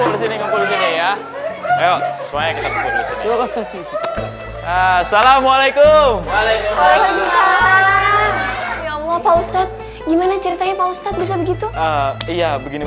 waalaikum waalaikum waalaikum ya allah pak ustadz gimana ceritanya pak ustadz bisa begitu iya begini